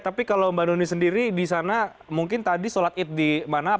tapi kalau mbak nuni sendiri di sana mungkin tadi sholat id di mana